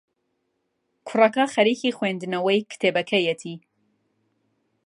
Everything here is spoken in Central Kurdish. کوڕەکە خەریکی خوێندنەوەی کتێبەکەیەتی.